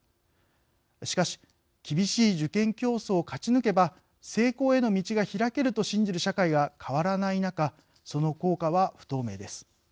しかし厳しい受験競争を勝ち抜けば成功への道が開けると信じる社会が変わらない中その効果は、不透明です。